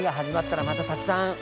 始まったらまたたくさん。